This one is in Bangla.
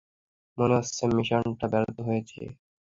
মনে হচ্ছে, মিশনটা ব্যর্থ হয়েছে।